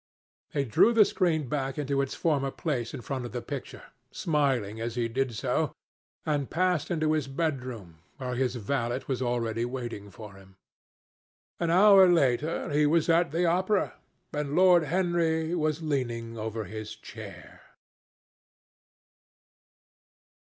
He drew the screen back into its former place in front of the picture, smiling as he did so, and passed into his bedroom, where his valet was already waiting for him. An hour later he was at the opera, and Lord Henry was leaning over his chair.